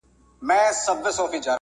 موږ دغسې جوړښتونو ته